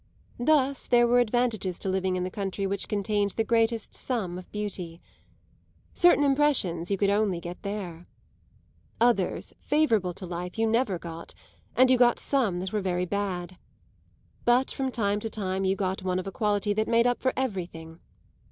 Thus there were advantages in living in the country which contained the greatest sum of beauty. Certain impressions you could get only there. Others, favourable to life, you never got, and you got some that were very bad. But from time to time you got one of a quality that made up for everything.